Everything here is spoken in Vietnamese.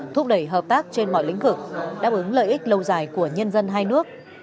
thúc đẩy hợp tác trên mọi lĩnh vực đáp ứng lợi ích lâu dài của nhân dân hai nước